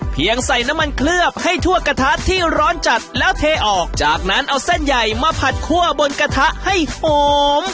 ใส่น้ำมันเคลือบให้ทั่วกระทะที่ร้อนจัดแล้วเทออกจากนั้นเอาเส้นใหญ่มาผัดคั่วบนกระทะให้หอม